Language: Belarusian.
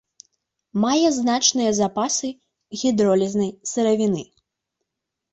Мае значныя запасы гідролізнай сыравіны.